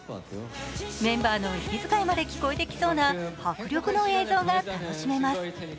メンバーの息づかいまで聞こえてきそうな迫力の映像が楽しめます。